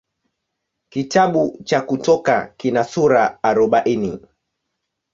Kitabu cha Kutoka kina sura arobaini.